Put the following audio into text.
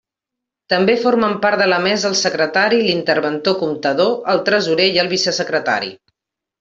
També formen part de la mesa el secretari, l'interventor comptador, el tresorer i el vicesecretari.